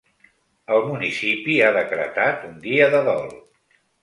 El municipi ha decretat un dia de dol.